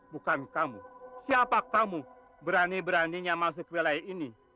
bukan kamu siapa kamu berani beraninya masuk ke wilayah ini